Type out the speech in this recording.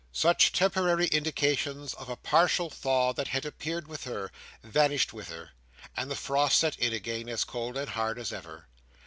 Such temporary indications of a partial thaw that had appeared with her, vanished with her; and the frost set in again, as cold and hard as ever.